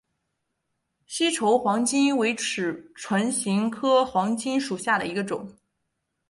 西畴黄芩为唇形科黄芩属下的一个种。